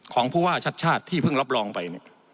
ของผู้ว่าชัดชาติที่เพิ่งรับรองไป